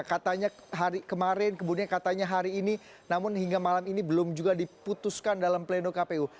katanya hari kemarin kemudian katanya hari ini namun hingga malam ini belum juga diputuskan dalam pleno kpu